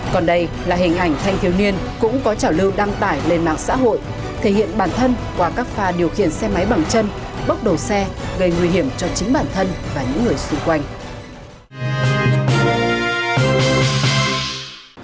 còn đây là hình ảnh thanh thiếu niên cũng có trảo lưu đăng tải lên mạng xã hội thể hiện bản thân qua các pha điều khiển xe máy bằng chân bốc đầu xe gây nguy hiểm cho chính bản thân và những người xung quanh